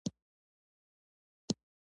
بهرنۍ اړیکې باید ښې شي